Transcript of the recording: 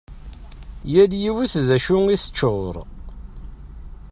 Yal yiwet d acu i d-teččur.